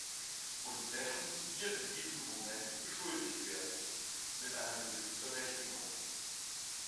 Und dessen wir in diesem Moment beschuldigt werden, mit einer gewissen Berechtigung.